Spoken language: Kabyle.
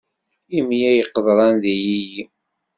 Imlal qeḍṛan d ilili.